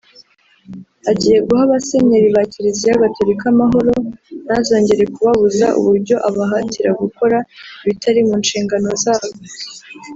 Agiye guha abasenyeri ba Kiliziya Gatolika amahoro ntazongere kubabuza uburyo abahatira gukora ibitari mu nshingano zabo